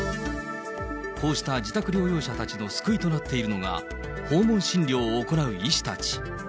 こうした自宅療養者たちの救いとなっているのが、訪問診療を行う医師たち。